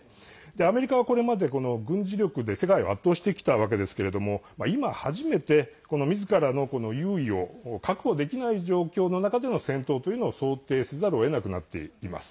アメリカはこれまで軍事力で世界を圧倒してきたわけですが今、初めて、みずからの優位を確保できない状況の中での戦闘というのを想定せざるをえなくなっています。